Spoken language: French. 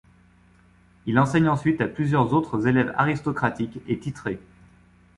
Il enseigne ensuite à plusieurs autres élèves aristocratique et titrés.